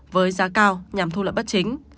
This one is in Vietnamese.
với giá cao nhằm thu lợi bất chính